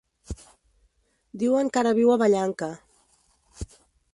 Diuen que ara viu a Vallanca.